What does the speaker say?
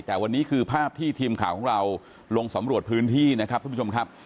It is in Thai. แต่วันนี้คือภาพที่ทีมข่าวของเราลงสำรวจพื้นที่นะครับ